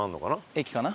駅かな？